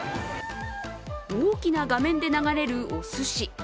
大きな画面で流れるおすし。